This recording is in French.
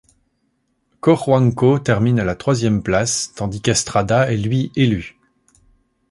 Cojuangco termine à la troisième place, tandis qu’Estrada est lui élu.